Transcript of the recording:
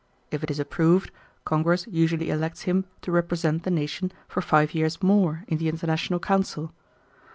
If it is approved, Congress usually elects him to represent the nation for five years more in the international council.